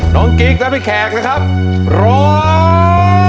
กิ๊กและพี่แขกนะครับร้อง